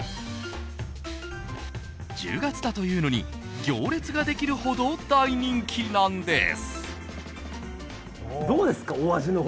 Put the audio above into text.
１０月だというのに行列ができるほど大人気なんです。